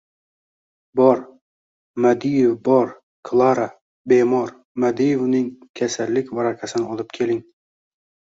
— Bor, Madiev bor. Klara, bemor Madievning kasallik varaqasini olib keling!